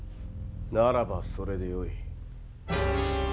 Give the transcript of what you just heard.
ならばそれでよい。